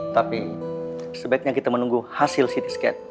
tapi sebaiknya kita menunggu hasil si disket